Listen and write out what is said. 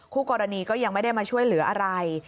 คู่กรณีก็ยังไม่ได้มาช่วยเหลืออะไร